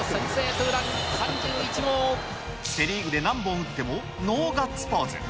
セ・リーグで何本打ってもＮＯガッツポーズ。